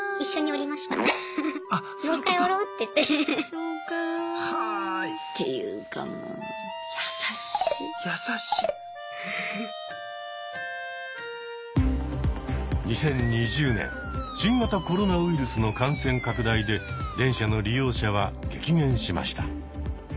っていうかもう２０２０年新型コロナウイルスの感染拡大で電車の利用者は激減しました。